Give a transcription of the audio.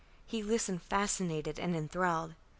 He listened fascinated and enthralled.